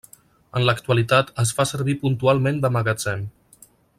En l'actualitat es fa servir puntualment de magatzem.